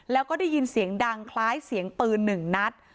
แล้วก็ได้ยินเสียงดังคล้ายเสียงปืนหนึ่งนัด